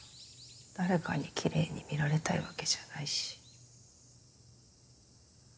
誰かに奇麗に見られたいわけじゃないし。